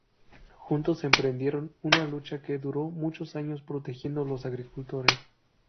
Juntos emprendieron una lucha que duró muchos años protegiendo los agricultores.